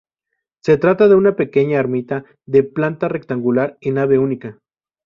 Se trata de una pequeña ermita de planta rectangular y nave única.